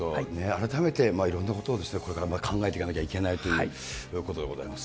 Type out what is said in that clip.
改めて、いろんなことをこれから考えていかなきゃいけないということでございます。